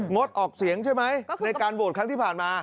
ดออกเสียงใช่ไหมในการโหวตครั้งที่ผ่านมา